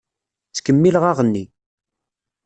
Ttkemmileɣ aɣenni.